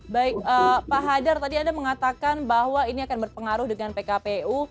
baik pak hadar tadi anda mengatakan bahwa ini akan berpengaruh dengan pkpu